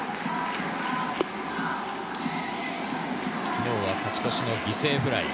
昨日は勝ち越しの犠牲フライ。